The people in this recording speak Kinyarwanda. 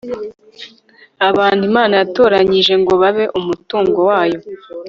abantu Imana yatoranyije ngo babe umutungo wayo